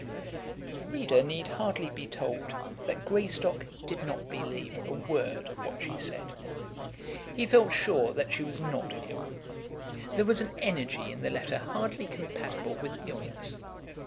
The reader need hardly be told that Greystock did not believe a word of what she said. He felt sure that she was not ill. There was an energy in the letter hardly compatible with illness.